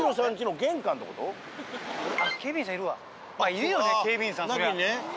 いるよね警備員さんそりゃ。